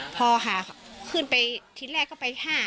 พอหาข้อสรุปขึ้นไปที่แรกก็ไปห้า